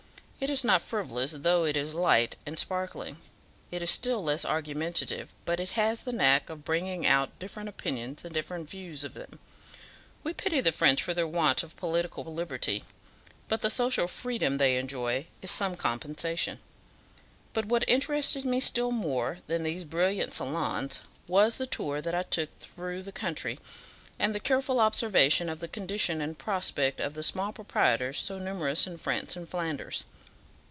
It is not frivolous, though it is light and sparkling; it is still less argumentative, but it has the knack of bringing out different opinions and different views of them. We pity the French for their want of political liberty, but the social freedom they enjoy is some compensation. But what interested me still more than these brilliant salons, was the tour that I took through the country, and the careful observation of the condition and prospect of the small proprietors so numerous in France and Flanders.